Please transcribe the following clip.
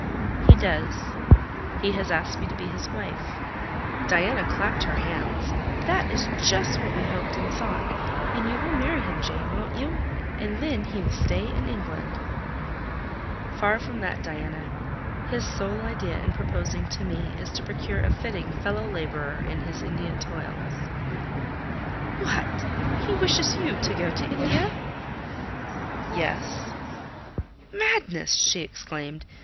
"He does—he has asked me to be his wife." Diana clapped her hands. "That is just what we hoped and thought! And you will marry him, Jane, won't you? And then he will stay in England." "Far from that, Diana; his sole idea in proposing to me is to procure a fitting fellow labourer in his Indian toils." "What! He wishes you to go to India?" "Yes." "Madness!" she exclaimed.